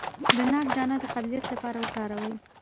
د ناک دانه د قبضیت لپاره وکاروئ